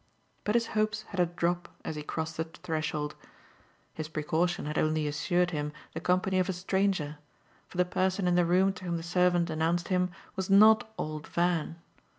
But his hopes had a drop as he crossed the threshold. His precaution had only assured him the company of a stranger, for the person in the room to whom the servant announced him was not old Van.